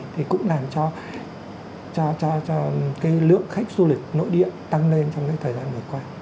thì cũng làm cho cái lượng khách du lịch nội địa tăng lên trong cái thời gian vừa qua